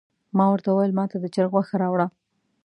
ما ورته وویل ماته د چرګ غوښه راوړه.